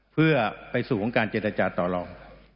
เพื่อไปสู่ของการเจรจาต่อลอง